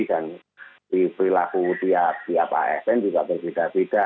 dan perilaku tiap asn juga berbeda beda